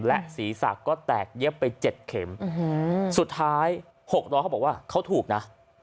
และศรีศักดิ์ก็แตกเย็บไปเจ็ดเข็มอื้อหือสุดท้ายหกร้อยเขาบอกว่าเขาถูกนะ